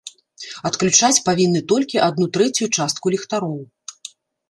Адключаць павінны толькі адну трэцюю частку ліхтароў.